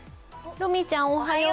ロミィちゃん、おはよう。